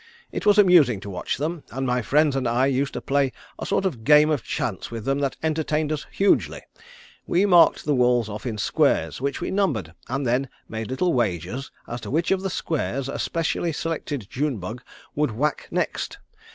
It was amusing to watch them, and my friends and I used to play a sort of game of chance with them that entertained us hugely. We marked the walls off in squares which we numbered and then made little wagers as to which of the squares a specially selected June bug would whack next.